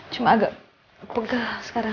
cuma agak pegal sekarang